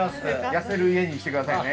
痩せる家にしてくださいね